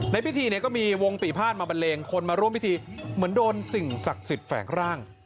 ในพิธีเนี่ยก็มีวงปีภาษณมาบันเลงคนมาร่วมพิธีเหมือนโดนสิ่งศักดิ์สิทธิ์แฝงร่าง